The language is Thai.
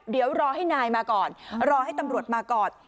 เดี๋ยวรอให้นายมาก่อนรอให้ตำรวจมาก่อน